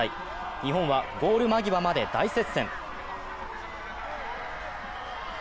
日本はゴール間際まで大接戦。